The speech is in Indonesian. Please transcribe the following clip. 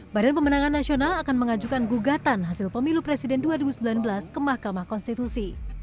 badan pemenangan nasional akan mengajukan gugatan hasil pemilu presiden dua ribu sembilan belas ke mahkamah konstitusi